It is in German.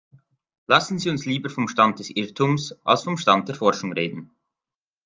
Lassen Sie uns lieber vom Stand des Irrtums als vom Stand der Forschung reden.